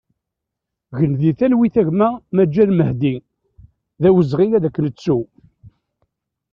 Gen di talwit a gma Maǧan Mehdi, d awezɣi ad k-nettu!